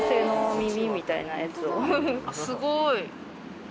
すごい！